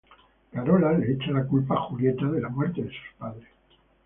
Carola le echa la culpa a Julieta de la muerte de sus padres.